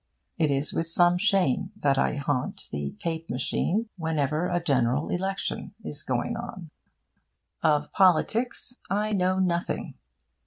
It is with some shame that I haunt the tape machine whenever a General Election is going on. Of politics I know nothing.